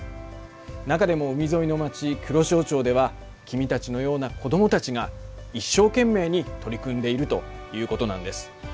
中でも海沿いの町黒潮町では君たちのような子どもたちが一生懸命に取り組んでいるということなんです。